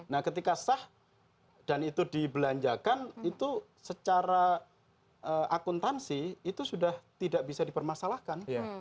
nah ketika sah dan itu dibelanjakan itu secara akuntansi itu sudah tidak bisa dipermasalahkan